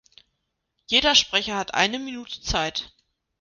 Jeder Sprecher hat eine Minute Zeit.